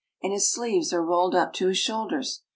and his sleeves are rolled up to his shoulders.